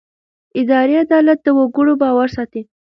اداري عدالت د وګړو باور ساتي.